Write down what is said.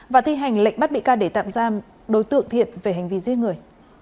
và thi hành lệnh bắt bị can để tạm giam đối tượng thiện về hành vi giết người